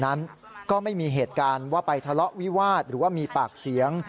มีเหตุการณ์ว่าไปทะเลาะวิวาดหรือว่ามีปากเสียง